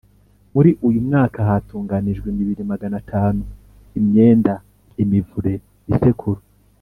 Muri uyu mwaka hatunganijwe imibiri Magana atanu imyenda imivure isekuru